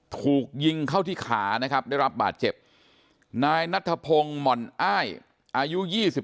ถูกยิงเข้าที่ขานะครับได้รับบาดเจ็บนายนัทพงศ์หม่อนอ้ายอายุ๒๓